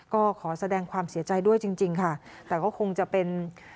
ก็ขอแสดงความเสียใจด้วยจริงจริงค่ะแต่ก็คงจะเป็น